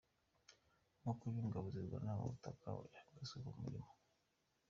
Umukuru w’ingabo zirwanira ku butaka yahagaritswe ku mirimo